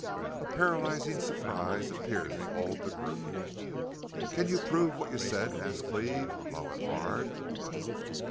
A paralyzing surprise appeared to hold the group. "Can you prove what you said?" asked Cleve, low and hard.